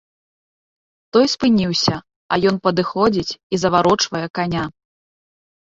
Той спыніўся, а ён падыходзіць і заварочвае каня.